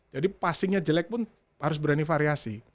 jadi passingnya jelek pun harus berani variasi